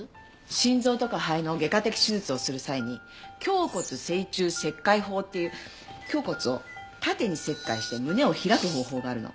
心臓とか肺の外科的手術をする際に胸骨正中切開法っていう胸骨を縦に切開して胸を開く方法があるの。